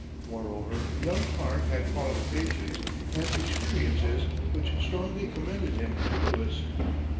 Moreover young Clark had qualifications and experiences which strongly commended him to Lewis.